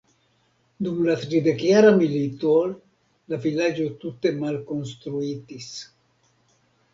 Dum la Tridekjara milito la vilaĝo tute malkonstruitis.